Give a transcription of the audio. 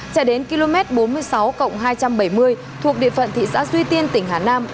chạy đến km bốn mươi sáu hai trăm bảy mươi thuộc địa phận thị xã duy tiên tỉnh hà nam